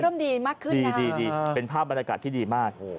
ดีมากขึ้นดีดีเป็นภาพบรรยากาศที่ดีมาก